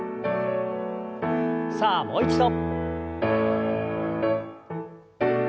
さあもう一度。